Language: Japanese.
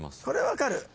これ分かる。